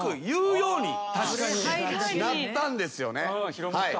広まった。